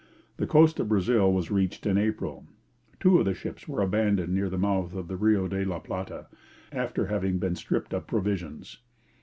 The coast of Brazil was reached in April. Two of the ships were abandoned near the mouth of the Rio de la Plata, after having been stripped of provisions.